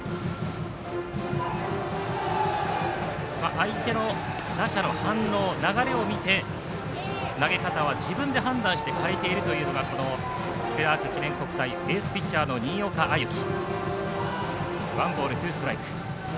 相手の打者の反応流れを見て、投げ方は自分で判断して変えているというのがクラーク記念国際エースピッチャーの新岡歩輝。